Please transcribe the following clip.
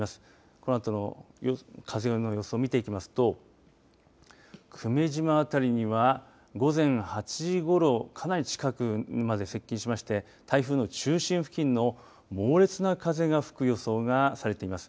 このあとの風の予想を見ていきますと久米島辺りには午前８時ごろかなり近くまで接近しまして台風の中心付近の猛烈な風が吹く予想がされています